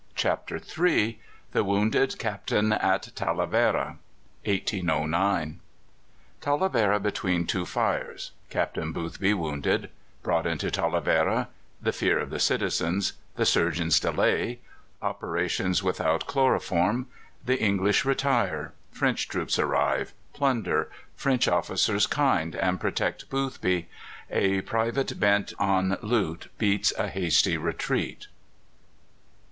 CHAPTER III THE WOUNDED CAPTAIN IN TALAVERA (1809) Talavera between two fires Captain Boothby wounded Brought into Talavera The fear of the citizens The surgeons' delay Operations without chloroform The English retire French troops arrive Plunder French officers kind, and protect Boothby A private bent on loot beats a hasty retreat.